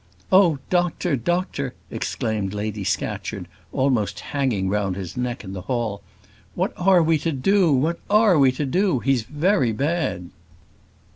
"Oh, doctor! doctor!" exclaimed Lady Scatcherd, almost hanging round his neck in the hall. "What are we to do? What are we to do? He's very bad."